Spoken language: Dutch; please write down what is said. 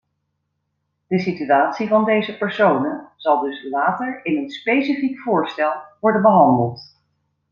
De situatie van deze personen zal dus later in een specifiek voorstel worden behandeld.